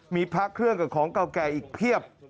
มีพระเครื่องกับของเก่าแก่อีกเพียบ